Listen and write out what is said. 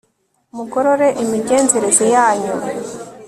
mugorore imigenzereze yanyu